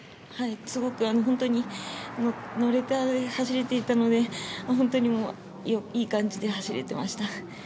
すごく本当に乗れて走れていたので本当にいい感じで走れてました。